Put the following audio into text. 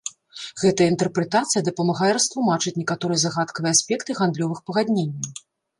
Гэтая інтэрпрэтацыя дапамагае растлумачыць некаторыя загадкавыя аспекты гандлёвых пагадненняў.